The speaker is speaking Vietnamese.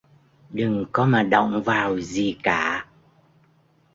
Đừng có mà động vào gì cả